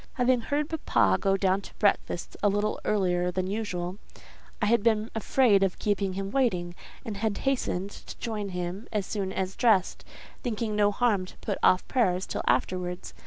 Having heard papa go down to breakfast a little earlier than usual, I had been afraid of keeping him waiting, and had hastened to join him as soon as dressed, thinking no harm to put off prayers till afterwards.